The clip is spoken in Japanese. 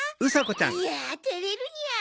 いやてれるニャ。